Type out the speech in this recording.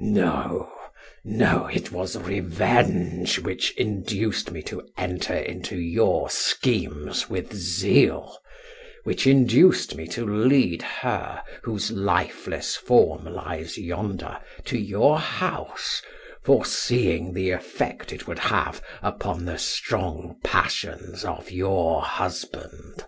No, no it was revenge which induced me to enter into your schemes with zeal; which induced me to lead her, whose lifeless form lies yonder, to your house, foreseeing the effect it would have upon the strong passions of your husband.